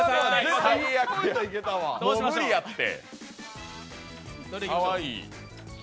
もう無理やって。